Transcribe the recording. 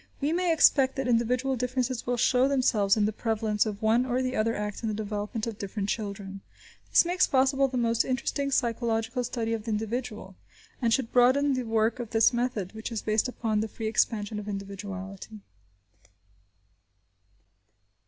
We may expect that individual differences will show themselves in the prevalence of one or the other act in the development of different children. This makes possible the most interesting psychological study of the individual, and should broaden the work of this method, which is based upon the free expansion of individuality.